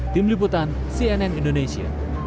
tim liputan cnn indonesia